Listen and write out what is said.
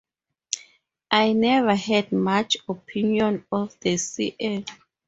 I never had much opinion of the sea air.